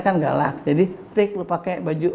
kan galak jadi tik lu pake baju